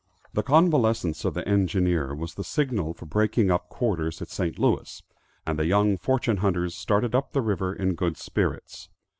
The convalescence of the engineer was the signal for breaking up quarters at St. Louis, and the young fortune hunters started up the river in good spirits.